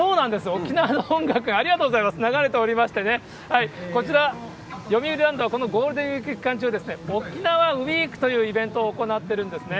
沖縄の音楽、ありがとうございます、流れておりましてね、こちら、よみうりランドはこのゴールデンウィーク期間中、沖縄ＷＥＥＫ！というイベントを行っているんですね。